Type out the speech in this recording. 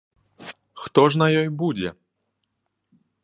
Хто ж на ёй будзе?